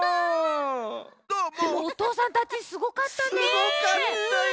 でもおとうさんたちすごかったね。